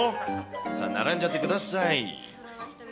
さあ、並んじゃってください。